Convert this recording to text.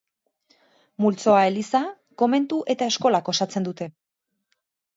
Multzoa Eliza, Komentu eta Eskolak osatzen dute.